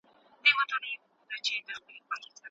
عدالت غوښتل جرم نه دی.